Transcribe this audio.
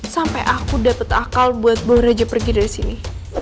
sampai aku dapat akal buat bung raja pergi dari sini